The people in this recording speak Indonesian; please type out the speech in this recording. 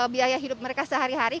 biaya hidup mereka sehari hari